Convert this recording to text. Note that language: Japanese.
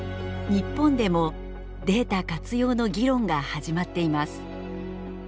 日本でもデータ活用の議論が始まっています。